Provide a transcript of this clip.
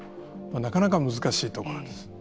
なかなか難しいところです。